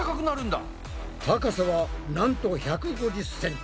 高さはなんと１５０ｃｍ！